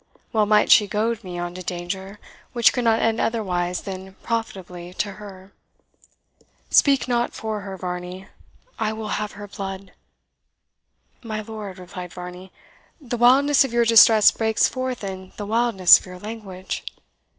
Well might she goad me on to danger, which could not end otherwise than profitably to her, Speak not for her, Varney! I will have her blood!" "My lord," replied Varney, "the wildness of your distress breaks forth in the wildness of your language."